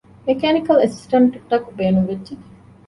މެކޭނިކަލް އެސިސްޓެންޓަކު ބޭނުންވެއްޖެ